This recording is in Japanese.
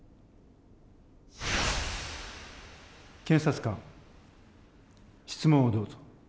検察官質問をどうぞ。